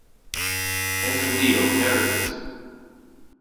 Esen ni ow kerdhes?